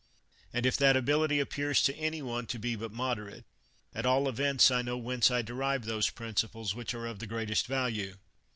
And if that abil ity appears to any one to be but moderate, at all events I know whence I derive those principles which are of the greatest value.